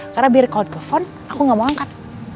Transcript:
karena biar kalau telfon aku gak mau angkat